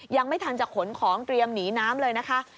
ยังไม่ทันจะขนของเตรียมหนีน้ำเลยนะคะ